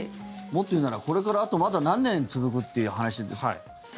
もっと言うならこれから、あとまだ何年続くっていう話ですよ。